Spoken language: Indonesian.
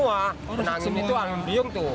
karena angin itu angin beliung tuh